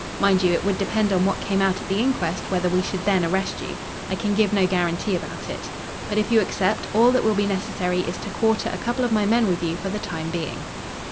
Mind you, it would depend on what came out at the inquest whether we should then arrest you. I can give no guarantee about it. But if you accept, all that will be necessary is to quarter a couple of my men with you for the time being."